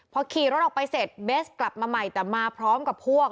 พอขี่รถออกไปเสร็จเบสกลับมาใหม่แต่มาพร้อมกับพวก